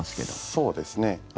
そうですね。